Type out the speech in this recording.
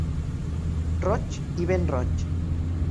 Roig i ben roig.